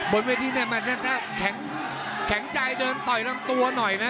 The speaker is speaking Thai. บนเวทีเนี่ยมันจะแข็งใจเดินต่อยลำตัวหน่อยนะ